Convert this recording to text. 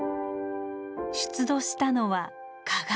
出土したのは鏡。